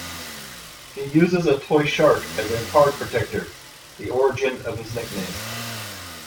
He uses a toy shark as a card protector, the origin of his nickname.